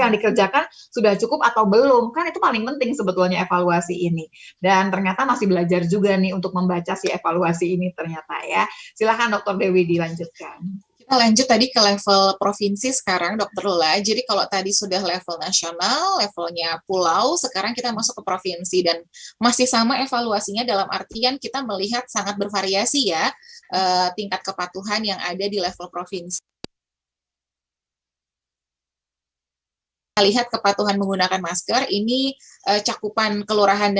di jawa tenggara di jawa tenggara di jawa tenggara